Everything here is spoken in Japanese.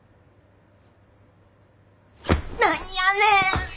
何やねん！